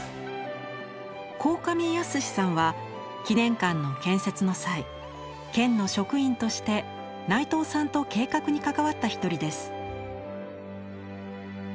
鴻上泰さんは記念館の建設の際県の職員として内藤さんと計画に関わった一人です。